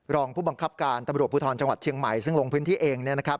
รองผู้บังคับการตำรวจผู้ทอนจังหวัดเชียงใหม่ซึ่งลงพื้นที่เองเนี่ยนะครับ